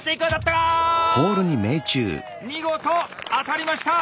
見事当たりました！